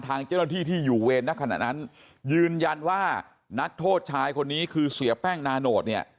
ทางเจ้าหน้าที่ที่อยู่เวรในขณะนั้นยืนยันว่านักโทษชายคนนี้คือเสียแป้งนาโนตเนี่ย